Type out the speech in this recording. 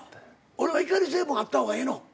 俺は怒り成分あった方がええの？